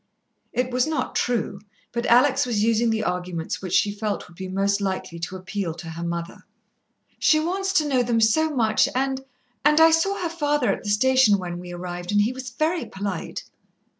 It was not true, but Alex was using the arguments which she felt would be most likely to appeal to her mother. "She wants to know them so much, and and I saw her father at the station when we arrived, and he was very polite."